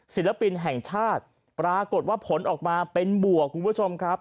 ศิลปินแห่งชาติปรากฏว่าผลออกมาเป็นบวกคุณผู้ชมครับ